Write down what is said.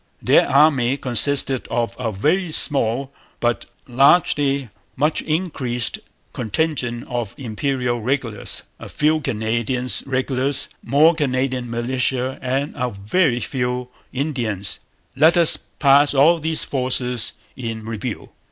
Their army consisted of a very small but latterly much increased contingent of Imperial regulars, a few Canadian regulars, more Canadian militia, and a very few Indians. Let us pass all these forces in review.